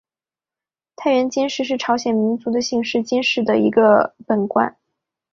太原金氏是朝鲜民族的姓氏金姓的一个本贯。